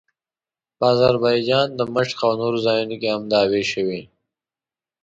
په اذربایجان، دمشق او نورو ځایونو کې هم دعوې شوې.